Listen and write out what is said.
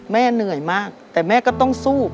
เหนื่อยมากแต่แม่ก็ต้องสู้